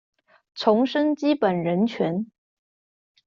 重申基本人權